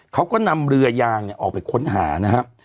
เขาก็นำเรือยางออกไปค้นหานะครับ